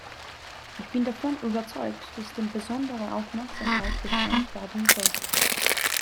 Ich bin davon überzeugt, dass dem besondere Aufmerksamkeit geschenkt werden sollte.